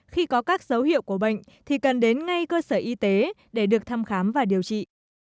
khi có các dấu hiệu của bệnh thì cần đến ngay cơ sở y tế để được thăm khám và điều trị